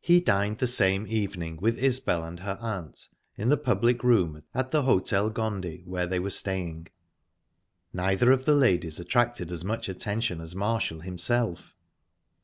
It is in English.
He dined the same evening with Isbel and her aunt, in the public room at the Hotel Gondy, where they were staying. Neither of the ladies attracted as much attention as Marshall himself.